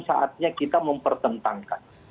saatnya kita mempertentangkan